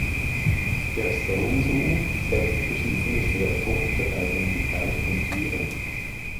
Der Stone Zoo setzt verschiedene Schwerpunkte bei den gezeigten Tieren.